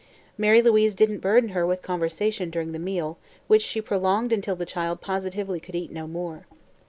Mary Louise didn't burden her with conversation during the meal, which she prolonged until the child positively could eat no more.